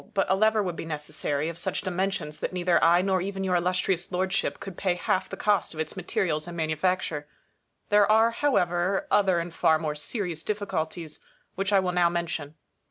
But a lever would be necessary, of such dimensions that neither I nor even your Illustrious Lordship could pay half the cost of its materials and manufacture. There are, however, other and far more serious difficulties, which I will now mention.